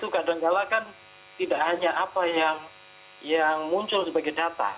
kadangkala kan tidak hanya apa yang muncul sebagai data